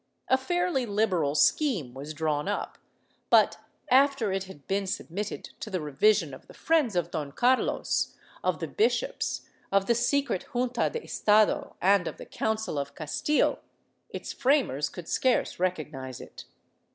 A fairiy liberal scheme was drawn up but, after it had been submitted to the revision of the friends of Don Carlos, of the bishops, of the secret Junta de Estado and of the Council of Castile, its framers could scarce recognize it.